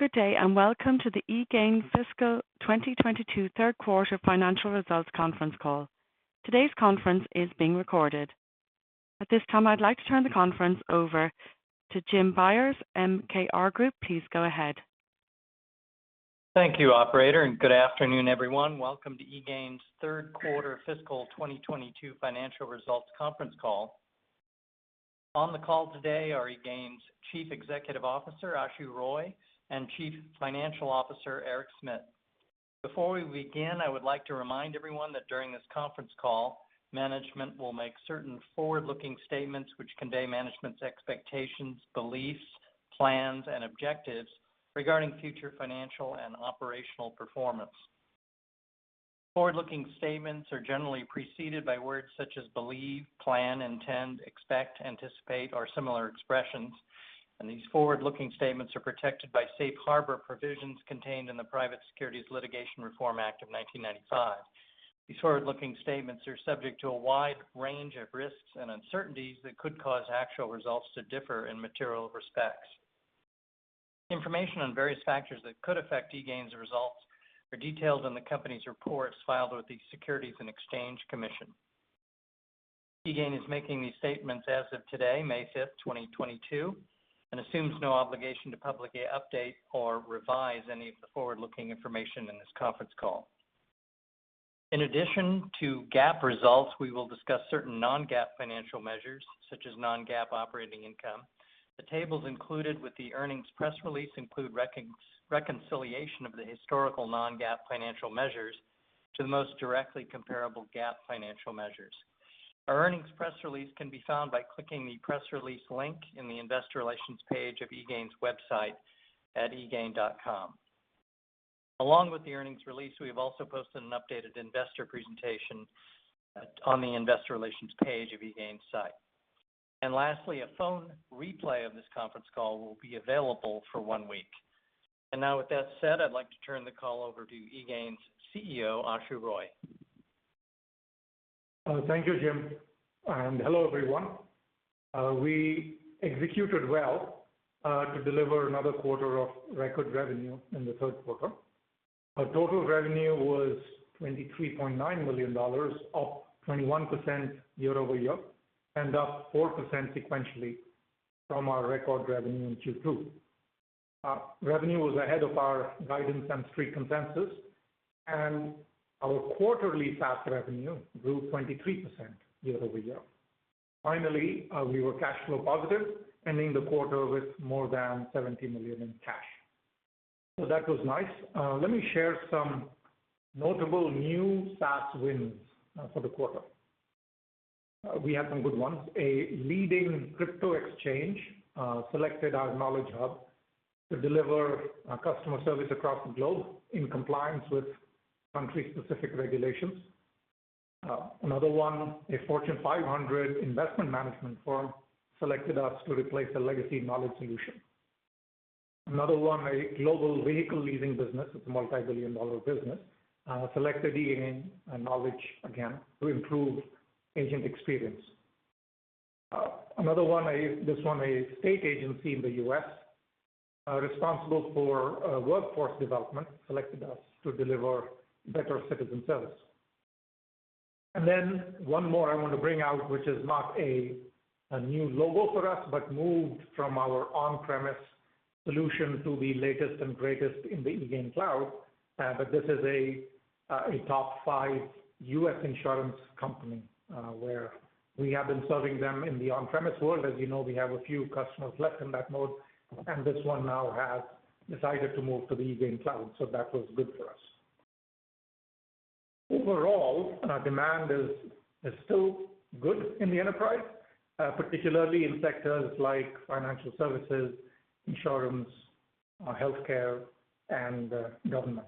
Good day, and welcome to the eGain Fiscal 2022 third quarter financial results conference call. Today's conference is being recorded. At this time, I'd like to turn the conference over to Jim Byers, MKR Group. Please go ahead. Thank you, operator, and good afternoon, everyone. Welcome to eGain's third quarter fiscal 2022 financial results conference call. On the call today are eGain's Chief Executive Officer, Ashu Roy, and Chief Financial Officer, Eric Smit. Before we begin, I would like to remind everyone that during this conference call, management will make certain forward-looking statements which convey management's expectations, beliefs, plans, and objectives regarding future financial and operational performance. Forward-looking statements are generally preceded by words such as believe, plan, intend, expect, anticipate, or similar expressions, and these forward-looking statements are protected by Safe Harbor provisions contained in the Private Securities Litigation Reform Act of 1995. These forward-looking statements are subject to a wide range of risks and uncertainties that could cause actual results to differ in material respects. Information on various factors that could affect eGain's results are detailed in the company's reports filed with the Securities and Exchange Commission. eGain is making these statements as of today, May 5th, 2022, and assumes no obligation to publicly update or revise any of the forward-looking information in this conference call. In addition to GAAP results, we will discuss certain non-GAAP financial measures, such as non-GAAP operating income. The tables included with the earnings press release include reconciliation of the historical non-GAAP financial measures to the most directly comparable GAAP financial measures. Our earnings press release can be found by clicking the Press Release link in the Investor Relations page of eGain's website at egain.com. Along with the earnings release, we have also posted an updated investor presentation on the Investor Relations page of eGain's site. Lastly, a phone replay of this conference call will be available for one week. Now with that said, I'd like to turn the call over to eGain's CEO, Ashu Roy. Thank you, Jim, and hello, everyone. We executed well to deliver another quarter of record revenue in the third quarter. Our total revenue was $23.9 million, up 21% year-over-year and up 4% sequentially from our record revenue in Q2. Our revenue was ahead of our guidance and Street consensus and our quarterly SaaS revenue grew 23% year-over-year. Finally, we were cash flow positive, ending the quarter with more than $70 million in cash. That was nice. Let me share some notable new SaaS wins for the quarter. We had some good ones. A leading crypto exchange selected our Knowledge Hub to deliver customer service across the globe in compliance with country-specific regulations. Another one, a Fortune 500 investment management firm selected us to replace a legacy knowledge solution. Another one, a global vehicle leasing business, it's a multi-billion dollar business, selected eGain Knowledge again, to improve agent experience. Another one, this one, a state agency in the U.S., responsible for workforce development, selected us to deliver better citizen service. One more I want to bring out, which is not a new logo for us, but moved from our on-premise solution to the latest and greatest in the eGain cloud. This is a top five U.S. insurance company, where we have been serving them in the on-premise world. As you know, we have a few customers left in that mode, and this one now has decided to move to the eGain cloud. That was good for us. Overall, demand is still good in the enterprise, particularly in sectors like financial services, insurance, healthcare, and government.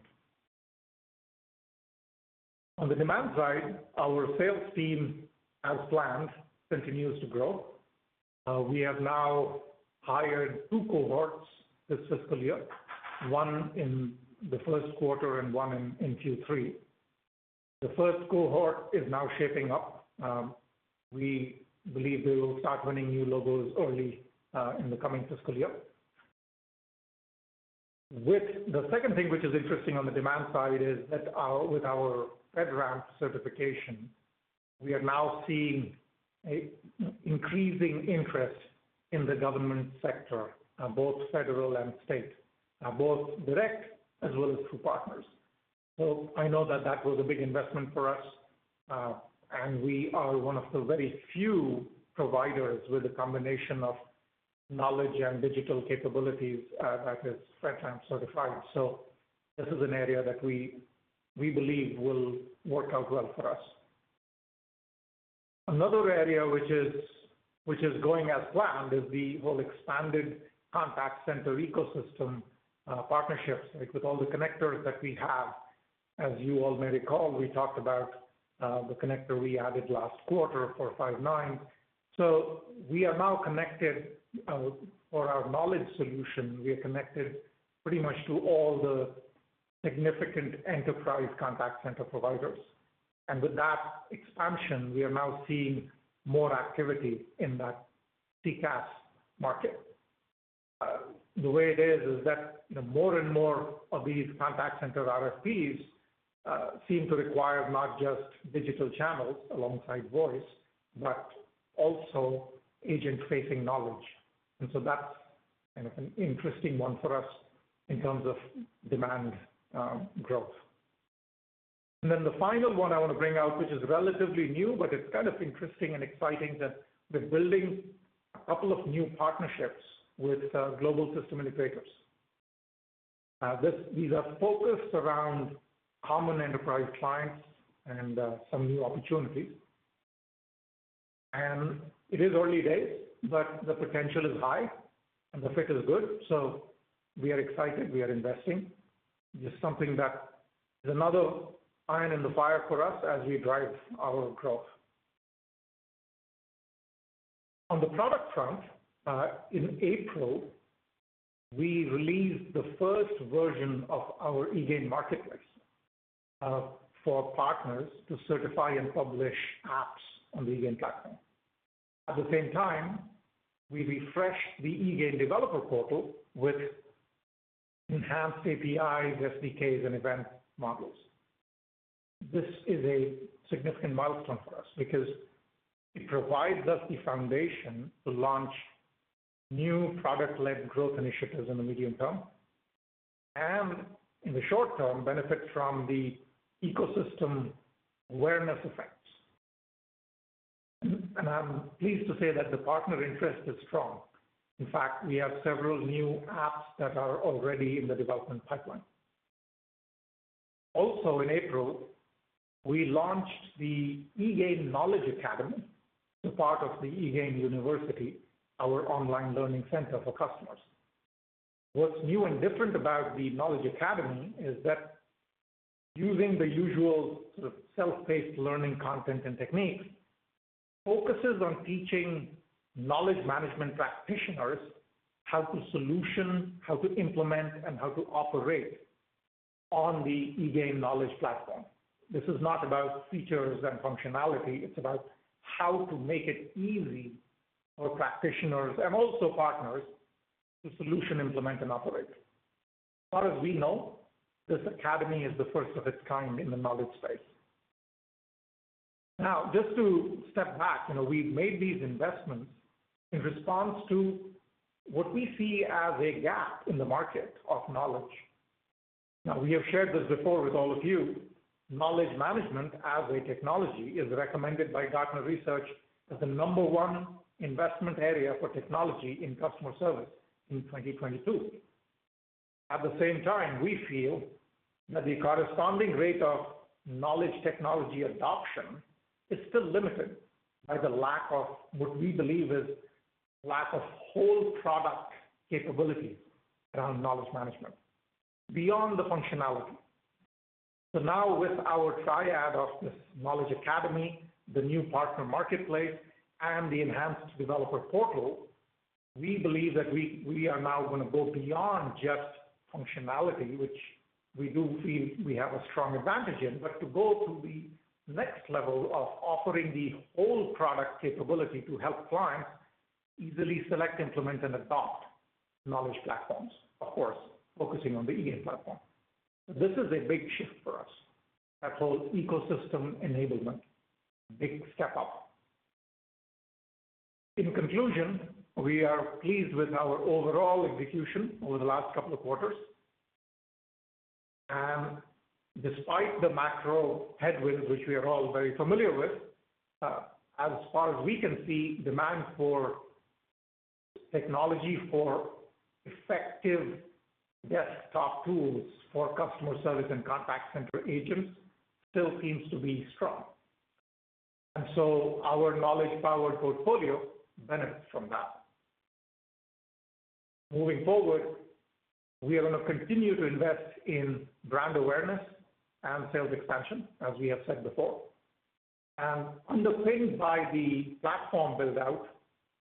On the demand side, our sales team, as planned, continues to grow. We have now hired two cohorts this fiscal year, one in the first quarter and one in Q3. The first cohort is now shaping up. We believe we will start winning new logos early in the coming fiscal year. With the second thing which is interesting on the demand side is that with our FedRAMP certification, we are now seeing an increasing interest in the government sector, both federal and state, both direct as well as through partners. I know that was a big investment for us, and we are one of the very few providers with a combination of knowledge and digital capabilities that is FedRAMP certified. This is an area that we believe will work out well for us. Another area which is going as planned is the whole expanded contact center ecosystem partnerships, like with all the connectors that we have. As you all may recall, we talked about the connector we added last quarter, Five9. We are now connected for our knowledge solution, we are connected pretty much to all the significant enterprise contact center providers. With that expansion, we are now seeing more activity in that CCaaS market. The way it is that, you know, more and more of these contact center RFPs seem to require not just digital channels alongside voice, but also agent-facing knowledge. That's kind of an interesting one for us in terms of demand growth. Then the final one I want to bring out, which is relatively new, but it's kind of interesting and exciting, that we're building a couple of new partnerships with global system integrators. These are focused around common enterprise clients and some new opportunities. It is early days, but the potential is high and the fit is good. We are excited, we are investing. Just something that is another iron in the fire for us as we drive our growth. On the product front, in April, we released the first version of our eGain Marketplace, for partners to certify and publish apps on the eGain platform. At the same time, we refreshed the eGain developer portal with enhanced APIs, SDKs, and event models. This is a significant milestone for us because it provides us the foundation to launch new product-led growth initiatives in the medium term and in the short term, benefit from the ecosystem awareness effects. I'm pleased to say that the partner interest is strong. In fact, we have several new apps that are already in the development pipeline. Also, in April, we launched the eGain Knowledge Academy, a part of the eGain University, our online learning center for customers. What's new and different about the Knowledge Academy is that using the usual sort of self-paced learning content and techniques, focuses on teaching knowledge management practitioners how to solution, how to implement, and how to operate on the eGain Knowledge platform. This is not about features and functionality, it's about how to make it easy for practitioners and also partners to solution, implement, and operate. As far as we know, this academy is the first of its kind in the knowledge space. Now, just to step back, you know, we've made these investments in response to what we see as a gap in the market of knowledge. Now, we have shared this before with all of you. Knowledge management as a technology is recommended by Gartner as the number one investment area for technology in customer service in 2022. At the same time, we feel that the corresponding rate of knowledge technology adoption is still limited by the lack of what we believe is lack of whole product capability around knowledge management, beyond the functionality. Now with our triad of this Knowledge Academy, the new partner marketplace, and the enhanced developer portal, we believe that we are now gonna go beyond just functionality, which we do feel we have a strong advantage in. To go to the next level of offering the whole product capability to help clients easily select, implement, and adopt knowledge platforms. Of course, focusing on the eGain platform. This is a big shift for us. That's all ecosystem enablement. Big step up. In conclusion, we are pleased with our overall execution over the last couple of quarters. Despite the macro headwinds, which we are all very familiar with, as far as we can see, demand for technology for effective desktop tools for customer service and contact center agents still seems to be strong. Our knowledge-powered portfolio benefits from that. Moving forward, we are gonna continue to invest in brand awareness and sales expansion, as we have said before. Underpinned by the platform build-out,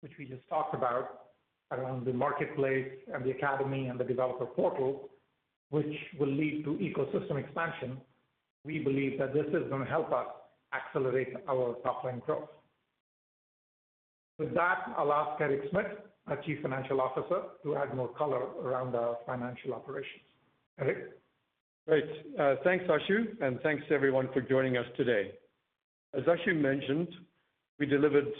which we just talked about, around the marketplace and the academy and the developer portal, which will lead to ecosystem expansion, we believe that this is gonna help us accelerate our top line growth. With that, I'll ask Eric Smit, our Chief Financial Officer, to add more color around our financial operations. Eric. Great. Thanks, Ashu, and thanks everyone for joining us today. As Ashu mentioned, we delivered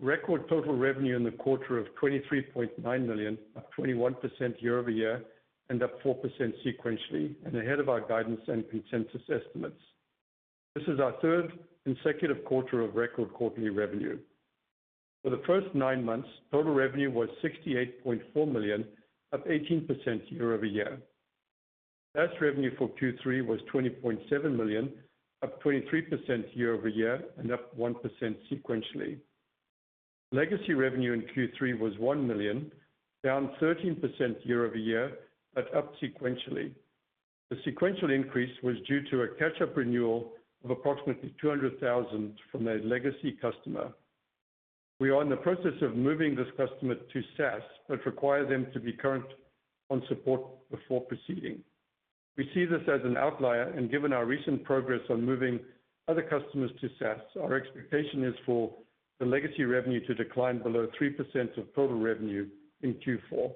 record total revenue in the quarter of $23.9 million, up 21% year-over-year and up 4% sequentially and ahead of our guidance and consensus estimates. This is our third consecutive quarter of record quarterly revenue. For the first nine months, total revenue was $68.4 million, up 18% year-over-year. SaaS revenue for Q3 was $20.7 million, up 23% year-over-year and up 1% sequentially. Legacy revenue in Q3 was $1 million, down 13% year-over-year, but up sequentially. The sequential increase was due to a catch-up renewal of approximately $200,000 from a legacy customer. We are in the process of moving this customer to SaaS, but require them to be current on support before proceeding. We see this as an outlier, and given our recent progress on moving other customers to SaaS, our expectation is for the legacy revenue to decline below 3% of total revenue in Q4.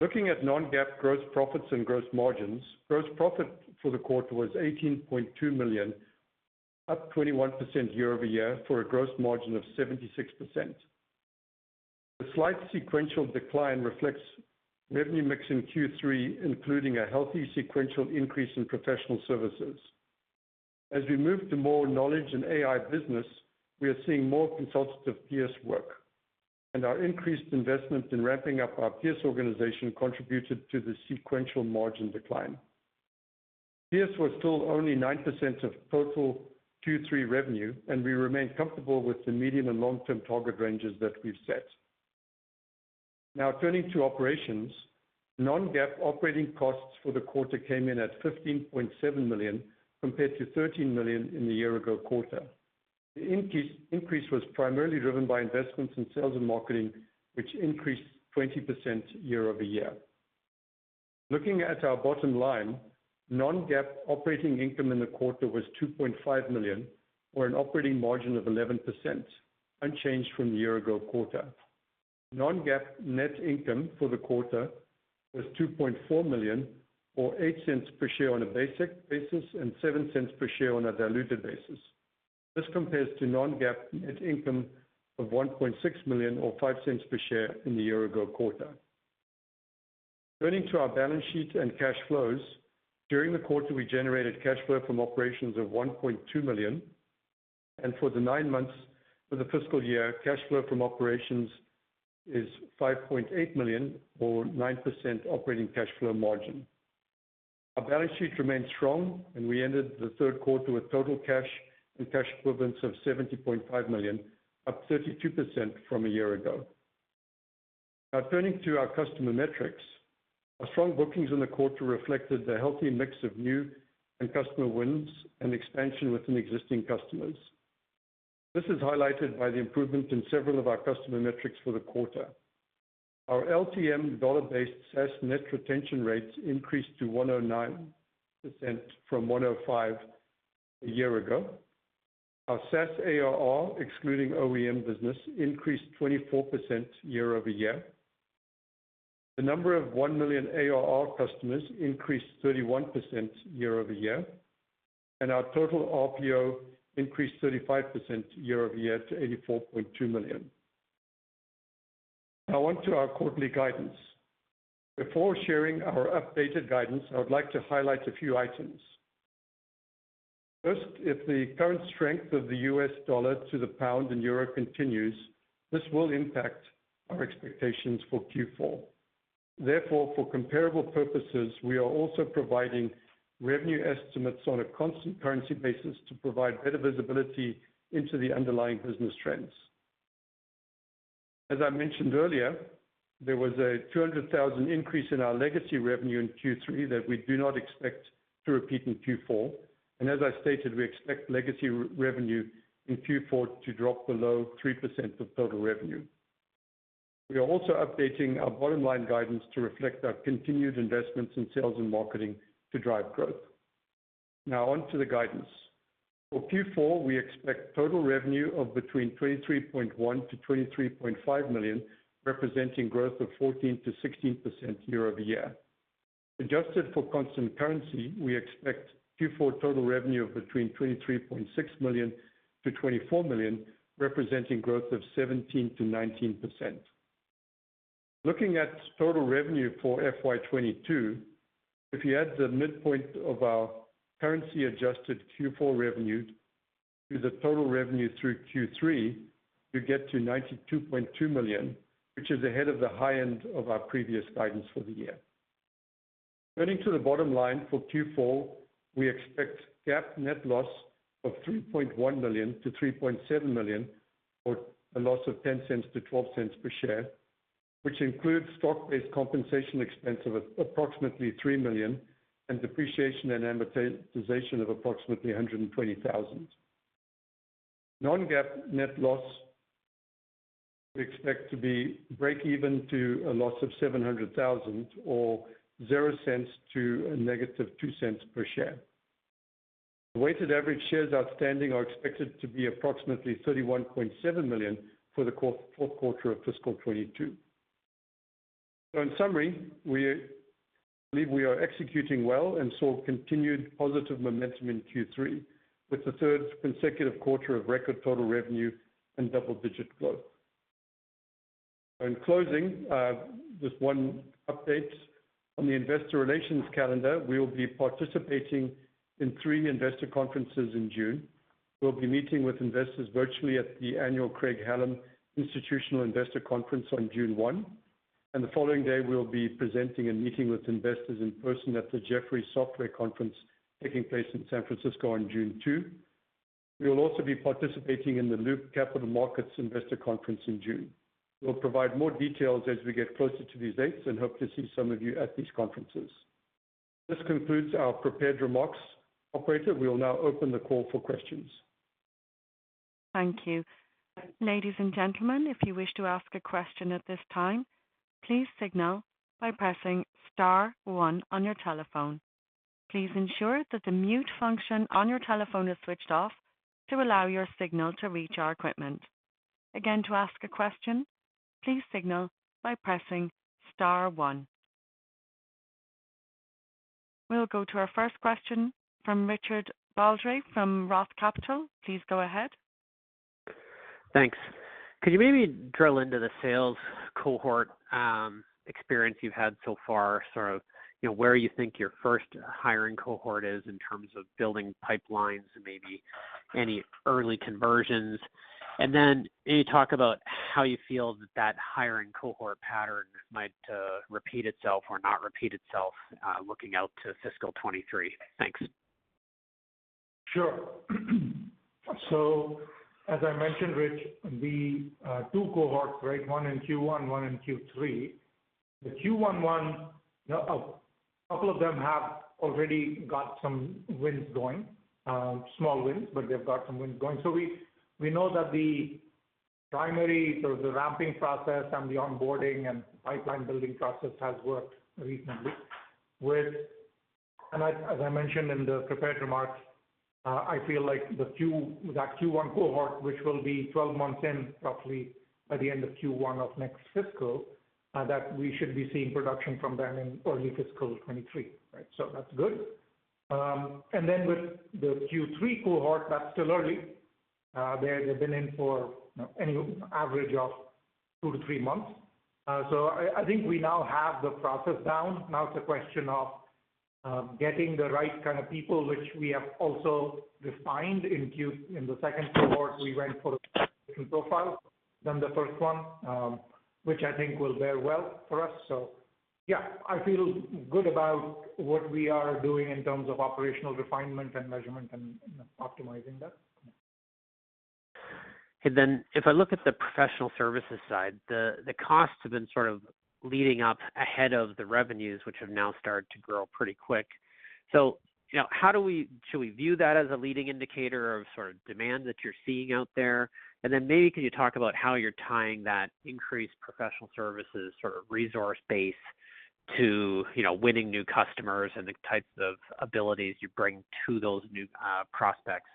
Looking at non-GAAP gross profits and gross margins, gross profit for the quarter was $18.2 million, up 21% year-over-year for a gross margin of 76%. The slight sequential decline reflects revenue mix in Q3, including a healthy sequential increase in professional services. As we move to more knowledge and AI business, we are seeing more consultative PS work, and our increased investment in ramping up our PS organization contributed to the sequential margin decline. PS was still only 9% of total Q3 revenue, and we remain comfortable with the medium and long-term target ranges that we've set. Now turning to operations. Non-GAAP operating costs for the quarter came in at $15.7 million compared to $13 million in the year-ago quarter. The increase was primarily driven by investments in sales and marketing, which increased 20% year-over-year. Looking at our bottom line, non-GAAP operating income in the quarter was $2.5 million, or an operating margin of 11%, unchanged from the year-ago quarter. Non-GAAP net income for the quarter was $2.4 million, or $0.08 per share on a basic basis and $0.07 per share on a diluted basis. This compares to non-GAAP net income of $1.6 million or $0.05 per share in the year-ago quarter. Turning to our balance sheet and cash flows. During the quarter, we generated cash flow from operations of $1.2 million. For the nine months for the fiscal year, cash flow from operations is $5.8 million or 9% operating cash flow margin. Our balance sheet remained strong, and we ended the third quarter with total cash and cash equivalents of $70.5 million, up 32% from a year ago. Now turning to our customer metrics. Our strong bookings in the quarter reflected the healthy mix of new and customer wins and expansion within existing customers. This is highlighted by the improvement in several of our customer metrics for the quarter. Our LTM dollar-based SaaS net retention rates increased to 109% from 105% a year ago. Our SaaS ARR, excluding OEM business, increased 24% year-over-year. The number of $1 million ARR customers increased 31% year-over-year, and our total RPO increased 35% year-over-year to $84.2 million. Now on to our quarterly guidance. Before sharing our updated guidance, I would like to highlight a few items. First, if the current strength of the US dollar to the pound and euro continues, this will impact our expectations for Q4. Therefore, for comparable purposes, we are also providing revenue estimates on a constant currency basis to provide better visibility into the underlying business trends. As I mentioned earlier, there was a $200,000 increase in our legacy revenue in Q3 that we do not expect to repeat in Q4. As I stated, we expect legacy revenue in Q4 to drop below 3% of total revenue. We are also updating our bottom-line guidance to reflect our continued investments in sales and marketing to drive growth. Now on to the guidance. For Q4, we expect total revenue of between $23.1 million-$23.5 million, representing growth of 14%-16% year-over-year. Adjusted for constant currency, we expect Q4 total revenue of between $23.6 million-$24 million, representing growth of 17%-19%. Looking at total revenue for FY 2022, if you add the midpoint of our currency adjusted Q4 revenue to the total revenue through Q3, you get to $92.2 million, which is ahead of the high end of our previous guidance for the year. Turning to the bottom line for Q4, we expect GAAP net loss of $3.1 million-$3.7 million, or a loss of $0.10-$0.12 per share, which includes stock-based compensation expense of approximately $3 million and depreciation and amortization of approximately $120,000. Non-GAAP net loss, we expect to be breakeven to a loss of $700,000 or $0.00 to -$0.02 per share. The weighted average shares outstanding are expected to be approximately 31.7 million for the fourth quarter of fiscal 2022. In summary, we believe we are executing well and saw continued positive momentum in Q3, with the third consecutive quarter of record total revenue and double-digit growth. In closing, just one update on the investor relations calendar. We will be participating in three investor conferences in June. We'll be meeting with investors virtually at the annual Craig-Hallum Institutional Investor Conference on June 1. The following day, we will be presenting and meeting with investors in person at the Jefferies Software Conference taking place in San Francisco on June 2. We will also be participating in the Loop Capital Markets Investor Conference in June. We'll provide more details as we get closer to these dates and hope to see some of you at these conferences. This concludes our prepared remarks. Operator, we will now open the call for questions. Thank you. Ladies and gentlemen, if you wish to ask a question at this time, please signal by pressing star one on your telephone. Please ensure that the mute function on your telephone is switched off to allow your signal to reach our equipment. Again, to ask a question, please signal by pressing star one. We'll go to our first question from Richard Baldry from Roth Capital. Please go ahead. Thanks. Could you maybe drill into the sales cohort experience you've had so far, sort of, you know, where you think your first hiring cohort is in terms of building pipelines and maybe any early conversions? Then can you talk about how you feel that hiring cohort pattern might repeat itself or not repeat itself, looking out to fiscal 2023. Thanks. Sure. As I mentioned, Richard, the two cohorts, right? One in Q1, one in Q3. A couple of them have already got some wins going, small wins, but they've got some wins going. We know. The ramping process and the onboarding and pipeline building process has worked reasonably. As I mentioned in the prepared remarks, I feel like that Q1 cohort, which will be 12 months in roughly by the end of Q1 of next fiscal, that we should be seeing production from them in early fiscal 2023, right? That's good. With the Q3 cohort, that's still early. They've been in for, you know, an average of two-three months. I think we now have the process down. Now it's a question of getting the right kind of people, which we have also refined. In the second cohort, we went for profile than the first one, which I think will bear well for us. Yeah, I feel good about what we are doing in terms of operational refinement and measurement and, you know, optimizing that. If I look at the professional services side, the costs have been sort of leading up ahead of the revenues, which have now started to grow pretty quick. You know, should we view that as a leading indicator of sort of demand that you're seeing out there? Maybe can you talk about how you're tying that increased professional services sort of resource base to, you know, winning new customers and the types of abilities you bring to those new prospects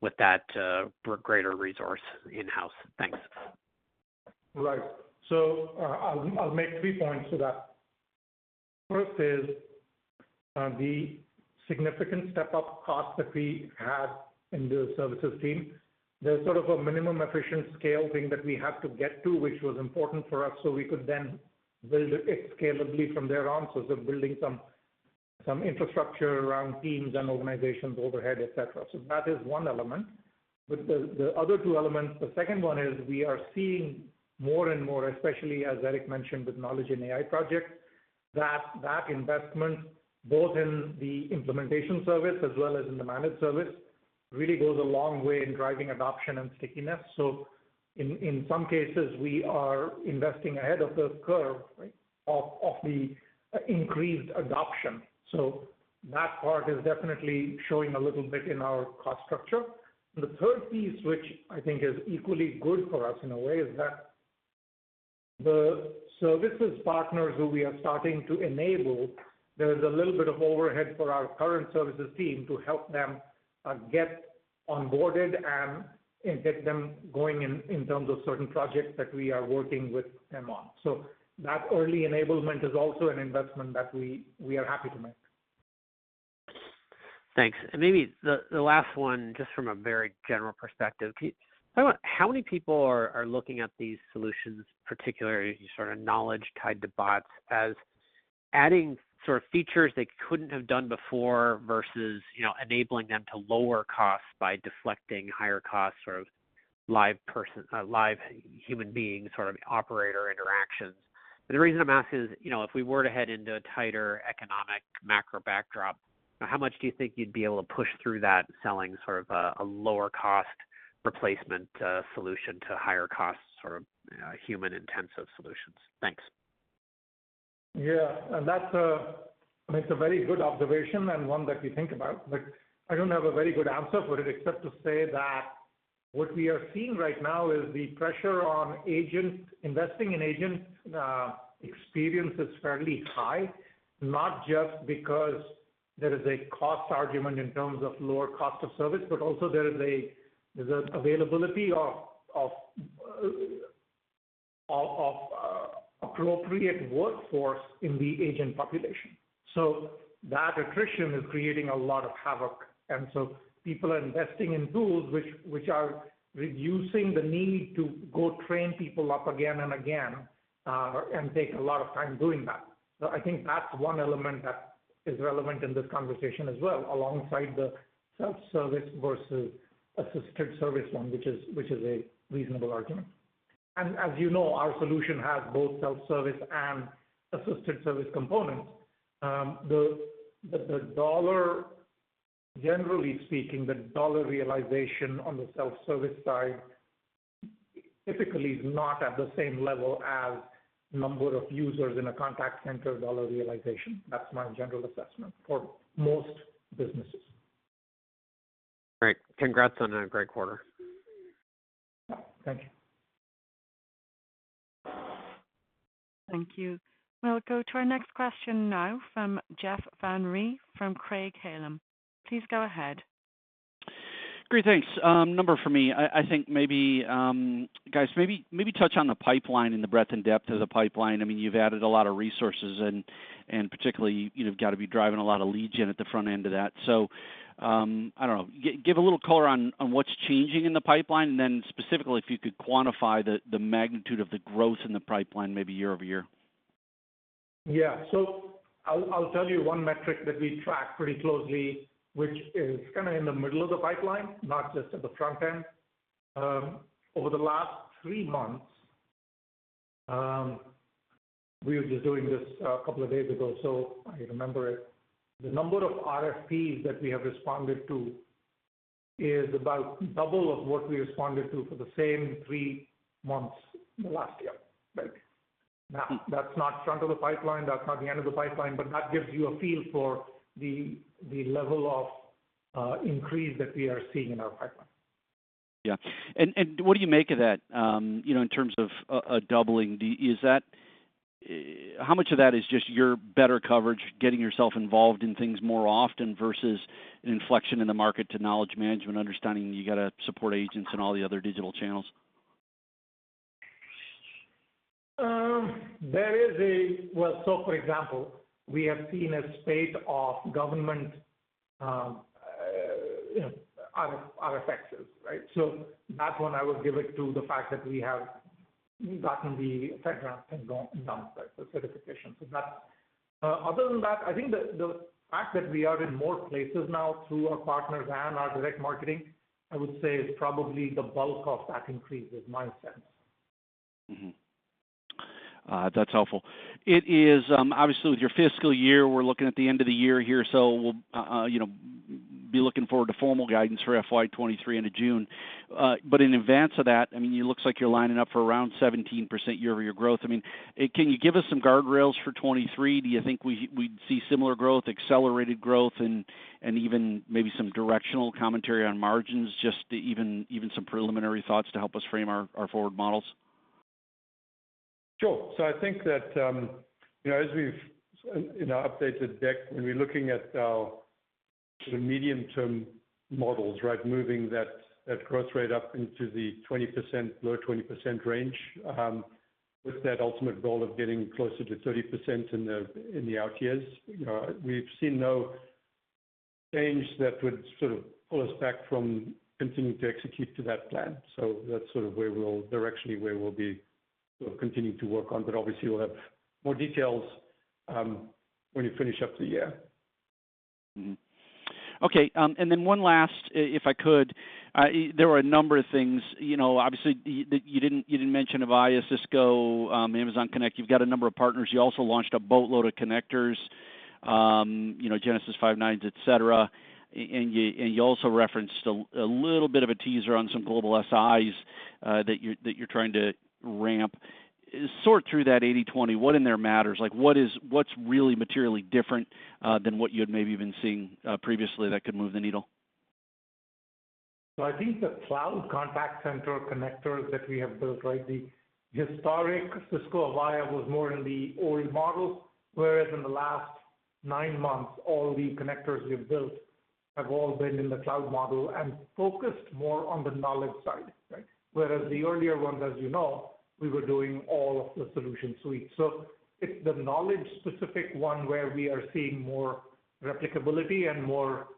with that greater resource in-house. Thanks. Right. I'll make three points to that. First is, the significant step-up cost that we had in the services team. There's sort of a minimum efficient scale thing that we have to get to, which was important for us, so we could then build it scalably from there on. It's building some infrastructure around teams and organizations, overhead, et cetera. That is one element. The other two elements, the second one is we are seeing more and more, especially as Eric mentioned, with knowledge in AI projects, that investment, both in the implementation service as well as in the managed service, really goes a long way in driving adoption and stickiness. In some cases, we are investing ahead of the curve, right, of the increased adoption. That part is definitely showing a little bit in our cost structure. The third piece, which I think is equally good for us in a way, is that the services partners who we are starting to enable, there's a little bit of overhead for our current services team to help them get onboarded and get them going in terms of certain projects that we are working with them on. That early enablement is also an investment that we are happy to make. Thanks. Maybe the last one, just from a very general perspective. How many people are looking at these solutions, particularly sort of knowledge tied to bots as adding sort of features they couldn't have done before versus, you know, enabling them to lower costs by deflecting higher costs or live person, live human being, sort of operator interactions. The reason I'm asking is, you know, if we were to head into a tighter economic macro backdrop, how much do you think you'd be able to push through that selling sort of a lower cost replacement solution to higher costs or human-intensive solutions? Thanks. Yeah. That's a, it's a very good observation and one that we think about, but I don't have a very good answer for it except to say that what we are seeing right now is the pressure on agents, investing in agent experience is fairly high, not just because there is a cost argument in terms of lower cost of service, but also there's an availability of appropriate workforce in the agent population. So that attrition is creating a lot of havoc. People are investing in tools which are reducing the need to go train people up again and again and take a lot of time doing that. I think that's one element that is relevant in this conversation as well, alongside the self-service versus assisted service one, which is a reasonable argument. As you know, our solution has both self-service and assisted service components. The dollar realization on the self-service side typically not at the same level as number of users in a contact center dollar realization. That's my general assessment for most businesses. Great. Congrats on a great quarter. Thank you. Thank you. We'll go to our next question now from Jeff Van Rhee from Craig-Hallum. Please go ahead. Great, thanks. Number for me. I think maybe, guys, maybe touch on the pipeline and the breadth and depth of the pipeline. I mean, you've added a lot of resources and particularly, you've got to be driving a lot of lead gen at the front end of that. I don't know. Give a little color on what's changing in the pipeline, and then specifically, if you could quantify the magnitude of the growth in the pipeline, maybe year-over-year. Yeah. I'll tell you one metric that we track pretty closely, which is kinda in the middle of the pipeline, not just at the front end. Over the last three months, we were just doing this a couple of days ago, so I remember it. The number of RFPs that we have responded to is about double of what we responded to for the same three months last year. Like, now that's not front of the pipeline, that's not the end of the pipeline, but that gives you a feel for the level of increase that we are seeing in our pipeline. Yeah. What do you make of that, you know, in terms of a doubling? How much of that is just your better coverage, getting yourself involved in things more often versus an inflection in the market to knowledge management, understanding you got to support agents and all the other digital channels? Well, for example, we have seen a spate of government, you know, RFPs, right? That one, I would give it to the fact that we have gotten the FedRAMP and done the certification. Other than that, I think the fact that we are in more places now through our partners and our direct marketing, I would say is probably the bulk of that increase is my sense. That's helpful. It is obviously with your fiscal year, we're looking at the end of the year here, so we'll you know be looking forward to formal guidance for FY 2023 into June. In advance of that, I mean, it looks like you're lining up for around 17% year-over-year growth. I mean, can you give us some guardrails for 2023? Do you think we'd see similar growth, accelerated growth, and even maybe some directional commentary on margins, just even some preliminary thoughts to help us frame our forward models? Sure. I think that, you know, as we've in our updated deck, when we're looking at our sort of medium-term models, right? Moving that growth rate up into the 20%-low 20% range, with that ultimate goal of getting closer to 30% in the out years. We've seen no change that would sort of pull us back from continuing to execute to that plan. That's sort of directionally where we'll be continuing to work on. Obviously, we'll have more details when we finish up the year. Okay. One last if I could. There were a number of things, you know, obviously, you didn't mention Avaya, Cisco, Amazon Connect. You've got a number of partners. You also launched a boatload of connectors, you know, Genesys, Five9, et cetera. You also referenced a little bit of a teaser on some global SIs that you're trying to ramp. Sort through that 80/20. What in there matters? Like, what's really materially different than what you had maybe been seeing previously that could move the needle? I think the cloud contact center connectors that we have built, right? The historic Cisco, Avaya was more in the old model, whereas in the last nine months, all the connectors we've built have all been in the cloud model and focused more on the knowledge side, right? Whereas the earlier ones, as you know, we were doing all of the solution suite. It's the knowledge specific one where we are seeing more replicability and more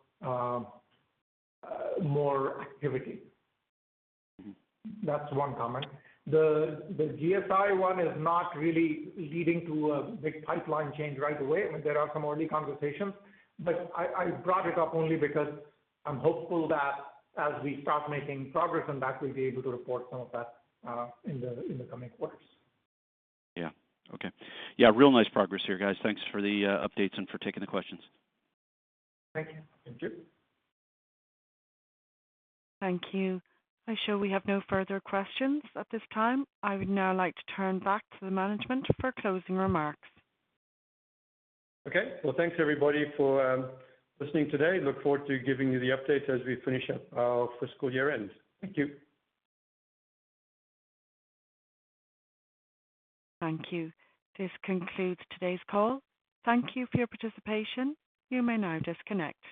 activity. Mm-hmm. That's one comment. The GSI one is not really leading to a big pipeline change right away. I mean, there are some early conversations, but I brought it up only because I'm hopeful that as we start making progress on that, we'll be able to report some of that in the coming quarters. Yeah. Okay. Yeah, real nice progress here, guys. Thanks for the updates and for taking the questions. Thank you. Thank you. Thank you. I'm sure we have no further questions at this time. I would now like to turn back to the management for closing remarks. Okay. Well, thanks everybody for listening today. Look forward to giving you the update as we finish up our fiscal year-end. Thank you. Thank you. This concludes today's call. Thank you for your participation. You may now disconnect.